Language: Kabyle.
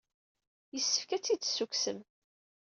Yessefk ad tt-id-tessukksem.